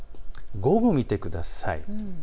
午後を見てください。